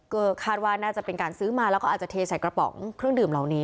ก็คาดว่าน่าจะเป็นการซื้อมาแล้วก็อาจจะเทใส่กระป๋องเครื่องดื่มเหล่านี้